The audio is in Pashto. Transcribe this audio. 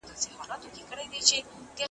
یوه لو ناره یې وکړله له خونده `